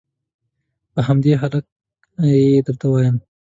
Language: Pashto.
په همدې هلکه یې درته وایم.